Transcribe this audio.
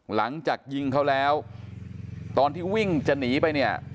หลังจากยิงเขาแล้วตอนที่วิ่งจะหนีไปเนี่ย